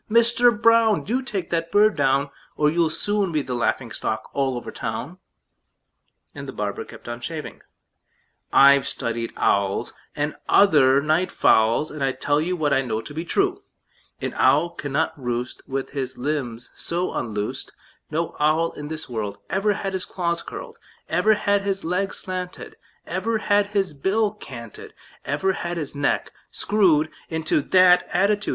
Mister Brown! Do take that bird down, Or you'll soon be the laughing stock all over town!" And the barber kept on shaving. "I've studied owls, And other night fowls, And I tell you What I know to be true: An owl cannot roost With his limbs so unloosed; No owl in this world Ever had his claws curled, Ever had his legs slanted, Ever had his bill canted, Ever had his neck screwed Into that attitude.